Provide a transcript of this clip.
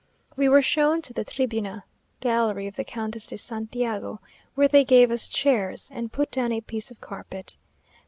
We were shown to the tribuna (gallery) of the Countess de Santiago, where they gave us chairs, and put down a piece of carpet.